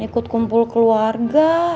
ikut kumpul keluarga